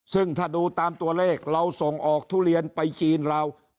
ซึ่งถ้าดูตามตัวเลขเราส่งออกทุเรียนไปจีนเรา